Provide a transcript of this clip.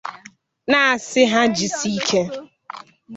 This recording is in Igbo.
na-asi ha jisie ike